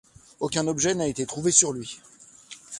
Aucun objet n'a été trouvé sur lui.